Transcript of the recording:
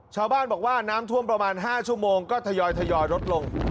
ชาวบ้านบอกว่าน้ำท่วมประมาณ๕ชั่วโมงก็ทยอยลดลง